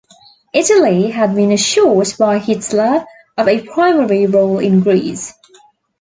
Italy had been assured by Hitler of a primary role in Greece.